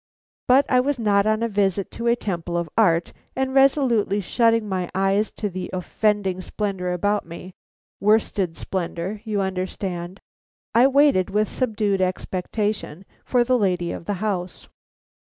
But I was not on a visit to a temple of art, and resolutely shutting my eyes to the offending splendor about me worsted splendor, you understand, I waited with subdued expectation for the lady of the house.